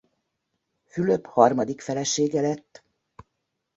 Fülöp harmadik felesége lett.